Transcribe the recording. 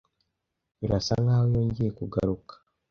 Birasa nkaho yongeye kugaruka.